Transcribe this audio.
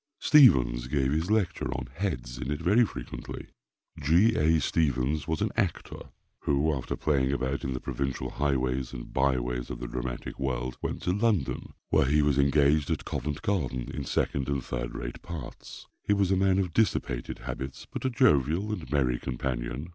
Stephens gave his lecture on "Heads" in it very frequently. G. A. Stephens was an actor, who, after playing about in the provincial highways and bye ways of the dramatic world, went to London, where he was engaged at Covent Garden in second and third rate parts. He was a man of dissipated habits, but a jovial and merry companion.